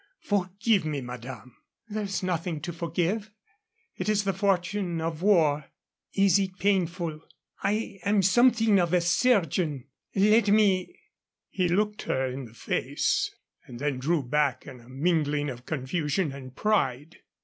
Forgive me, madame." "There is nothing to forgive. It is the fortune of war." "Is it painful? I am something of a chirurgeon. Let me " He looked her in the face, and then drew back in a mingling of confusion and pride.